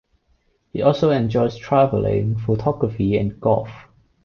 He also enjoys travelling, photography and golf.